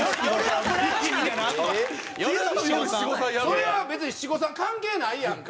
それは別に七五三関係ないやんか。